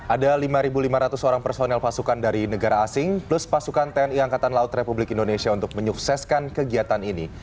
ada lima lima ratus orang personel pasukan dari negara asing plus pasukan tni angkatan laut republik indonesia untuk menyukseskan kegiatan ini